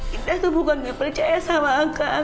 kita tuh bukan gak percaya sama angka